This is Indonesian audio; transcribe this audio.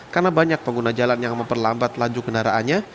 karena banyak pengguna jalan yang memperlambat laju kendaraannya